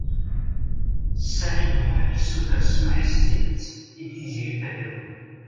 Saɛid U Muḥ yessuter smeḥ stidet i Tiziri Tagawawt.